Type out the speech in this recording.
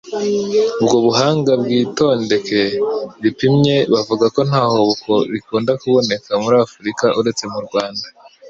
Ubwo buhanga bw'itondeke ripimye bavuga ko ntaho rikunda kuboneka muri Afurika uretse mu Rwanda ,